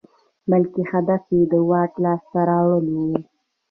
بلکې هدف یې د واک لاسته راوړل وو.